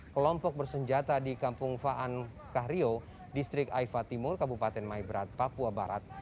kelompok bersenjata di kampung faan kahrio distrik aifa timur kabupaten maibrat papua barat